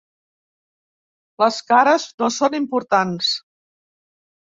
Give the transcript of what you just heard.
Les cares no són importants.